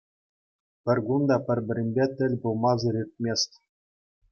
Пӗр кун та пӗр-пӗринпе тӗл пулмасӑр иртмест.